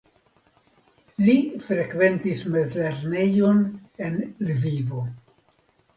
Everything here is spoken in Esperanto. Li frekventis mezlernejon en Lvivo.